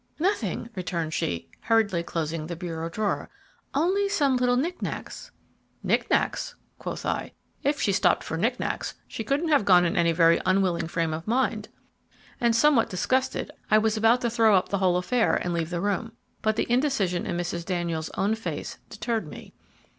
"Nothing," returned she, hurriedly closing the bureau drawer; "only some little knick knacks." "Knick knacks!" quoth I. "If she stopped for knick knacks, she couldn't have gone in any very unwilling frame of mind." And somewhat disgusted, I was about to throw up the whole affair and leave the room. But the indecision in Mrs. Daniels' own face deterred me.